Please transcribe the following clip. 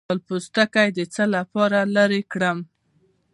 د دال پوستکی د څه لپاره لرې کړم؟